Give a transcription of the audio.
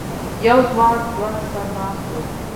یو ځوان ځوړند سر ناست و.